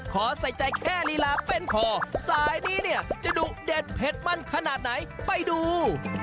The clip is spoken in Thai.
ขอใส่ใจแค่ลีลาเป็นพอสายนี้เนี่ยจะดุเด็ดเผ็ดมันขนาดไหนไปดู